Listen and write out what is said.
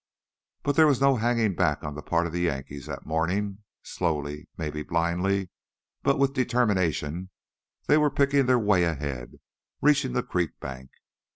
But there was no hanging back on the part of the Yankees that morning. Slowly, maybe blindly, but with determination, they were picking their way ahead, reaching the creek bank.